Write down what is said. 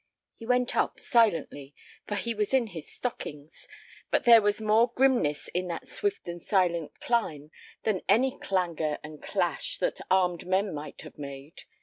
He went up silently, for he was in his stockings, but there was more grimness in that swift and silent climb than any clangor and clash that armed men might have made.